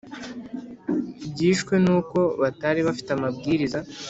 Byishwe n’uko batari bafite amabwiriza